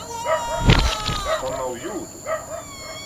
Tam nav jūtu!